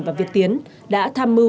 và việt tiến đã tham mưu